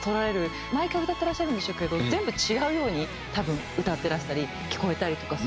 毎回歌ってらっしゃるんでしょうけど全部違うように多分歌ってらしたり聞こえたりとかする。